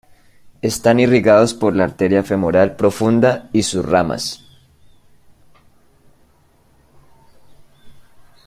Están irrigados por la arteria femoral profunda y sus ramas.